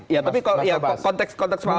ya tapi konteks pak ahok